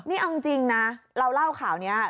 นี่เอาจริงนะเราเล่าข่าวนี้